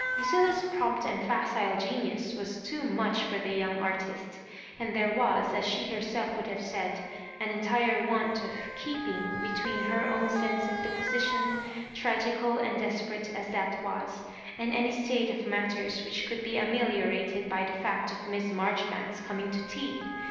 Lucilla's prompt and facile genius was too much for the young artist, and T there was^ as she herself would have said, an entire want of "keeping" between her own sense of the position, tragical and desperate as that was, and any state of matters which could be ameliorated by the fact of Mias Marjoribanks coming to tea.